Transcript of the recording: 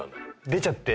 出ちゃって。